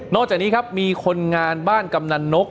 จากนี้ครับมีคนงานบ้านกำนันนก